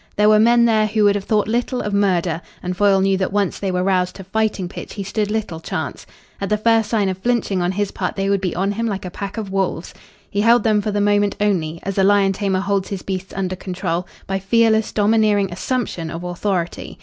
There were men there who would have thought little of murder, and Foyle knew that once they were roused to fighting pitch he stood little chance. At the first sign of flinching on his part they would be on him like a pack of wolves. He held them for the moment only, as a lion tamer holds his beasts under control by fearless domineering assumption of authority.